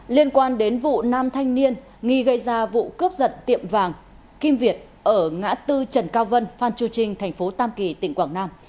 liên quan đến vụ nam thanh niên nghi gây ra vụ cướp giật tiệm vàng kim việt ở ngã tư trần cao vân phan chu trinh thành phố tam kỳ tỉnh quảng nam